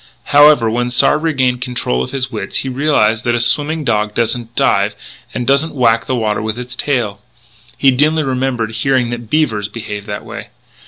However, when Sard regained control of his wits he realised that a swimming dog doesn't dive and doesn't whack the water with its tail. He dimly remembered hearing that beavers behaved that way.